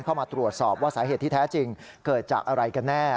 เข้ามาตรวจสอบว่าสาเหตุที่แท้จริงเกิดจากอะไรกันแน่